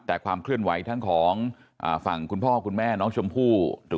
แต่ความเคลื่อนไหวทั้งของฝั่งคุณพ่อคุณแม่น้องชมพู่